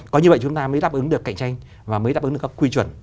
có như vậy chúng ta mới đáp ứng được cạnh tranh và mới đáp ứng được các quy chuẩn